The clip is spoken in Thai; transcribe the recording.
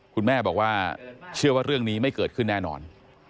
คุณแม่บอกว่าเชื่อว่าเรื่องนี้ไม่เกิดขึ้นแน่นอน